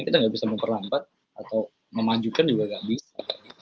kita gak bisa memperlambat atau memajukan juga gak bisa